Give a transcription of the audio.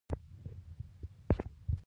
غوا په هر فصل کې شیدې ورکوي.